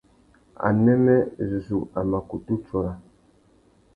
Umuênê zu a mà kutu tsôra.